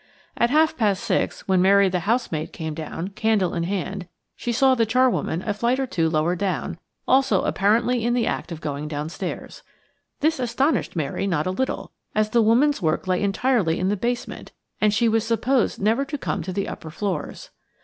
At half past six, when Mary the housemaid came down, candle in hand, she saw the charwoman a flight or two lower down, also apparently in the act of going downstairs. This astonished Mary not a little, as the woman's work lay entirely in the basement, and she was supposed never to come to the upper floors.